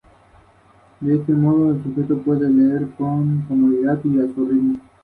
En cuanto a la pesca se dedican a la pesca comercial y municipal.